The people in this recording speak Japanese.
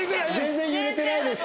全然降ってないですよ。